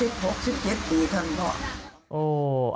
หลายปีแล้ว